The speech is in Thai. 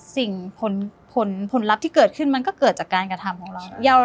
สิ่งผลลัพธ์ที่เกิดขึ้นมันก็เกิดจากการกระทำของเรา